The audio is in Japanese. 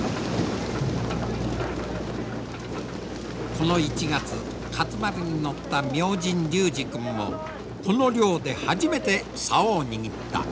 この１月勝丸に乗った明神隆治君もこの漁で初めてさおを握った。